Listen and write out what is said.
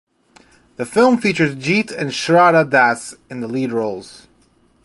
The film features Jeet and Shraddha Das in the lead roles.